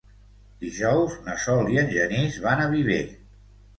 Dijous na Sol i en Genís van a Viver.